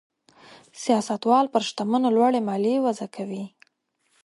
سیاستوال پر شتمنو لوړې مالیې وضع کوي.